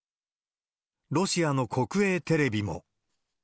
ロシアの国営テレビも。